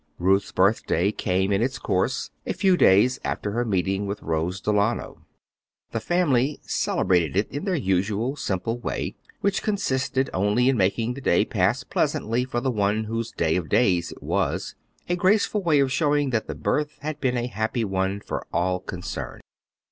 Ruth's birthday came in its course, a few days after her meeting with Rose Delano. The family celebrated it in their usual simple way, which consisted only in making the day pass pleasantly for the one whose day of days it was, a graceful way of showing that the birth has been a happy one for all concerned.